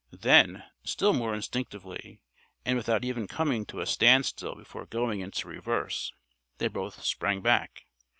Then, still more instinctively, and without even coming to a standstill before going into reverse, they both sprang back.